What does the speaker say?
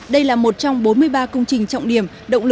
đây là một trong bốn mươi ba công trình trọng điểm